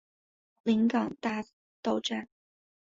临港大道站